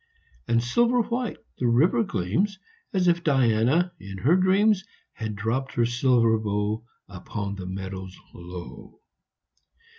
5 And silver white the river gleams, As if Diana, in her dreams, • Had dropt her silver bow Upon the meadows low.